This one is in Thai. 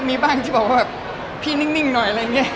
เมื่อกี้ผมบอกว่าว่าพี่นิ่งหน่อยเลยไง